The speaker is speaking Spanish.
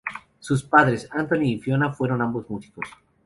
Sus padres, Antony y Fiona, fueron ambos músicos.